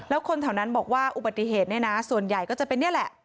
แล้วคนแถวนั้นบอกว่าอุบัติเหตุเนี่ยนะส่วนใหญ่ก็จะเป็นนี่แหละ